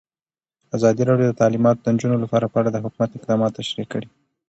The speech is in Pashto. ازادي راډیو د تعلیمات د نجونو لپاره په اړه د حکومت اقدامات تشریح کړي.